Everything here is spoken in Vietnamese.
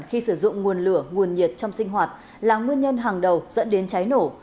khi sử dụng nguồn lửa nguồn nhiệt trong sinh hoạt là nguyên nhân hàng đầu dẫn đến cháy nổ